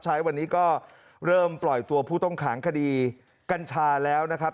ใช้วันนี้ก็เริ่มปล่อยตัวผู้ต้องขังคดีกัญชาแล้วนะครับ